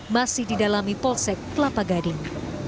masih didalami polsek kelapa gading